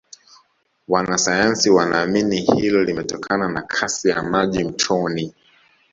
wanasayansi wanaamini hilo limetokana na Kasi ya maji mtoni